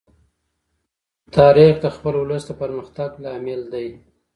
تاریخ د خپل ولس د پرمختګ لامل دی.